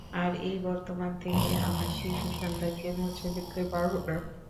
আর, এই বর্তমান থেকে আমার শিশু সন্তানকে মুছে ফেলতে পারব না!